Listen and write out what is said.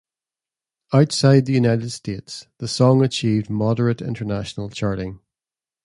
Outside the United States, the song achieved moderate international charting.